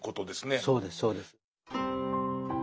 そうですそうです。